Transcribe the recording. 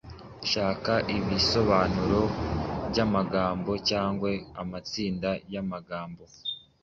Shaka ibisobanuro by’amagambo cyangwa amatsinda y’amagambo